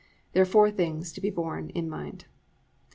There are four things to be borne in mind.